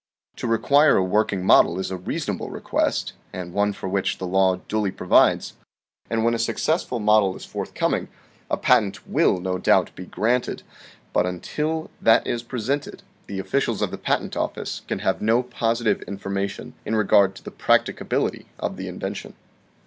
To require a working model is a reasonable request and one for which the law duly pro vides, and when a successful model is forthcoming, a patent will no doubt be granted ; but until that is presented the officials of the Patent Office can have no positive informa tion in regard to the practicability of the invention.